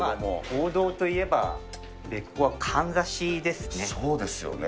王道といえばべっ甲はかんざそうですよね。